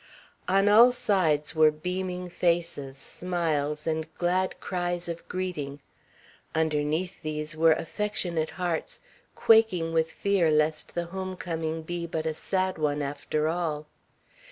On all sides were beaming faces, smiles, and glad cries of greeting. Underneath these were affectionate hearts quaking with fear lest the home coming be but a sad one after all.